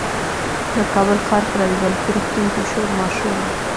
د کابل ښار په رابعه بلخي روغتون کې شور ماشور و.